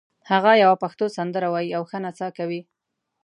هغه یوه پښتو سندره وایي او ښه نڅا کوي